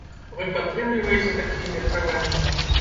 Вы падтрымліваеце такія меркаванні?